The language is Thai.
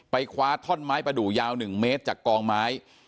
คว้าท่อนไม้ประดูกยาว๑เมตรจากกองไม้